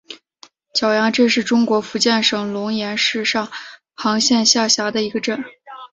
蛟洋镇是中国福建省龙岩市上杭县下辖的一个镇。